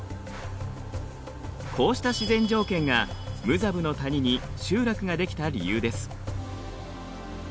こうした自然条件がムザブの谷に集落が出来た理由です。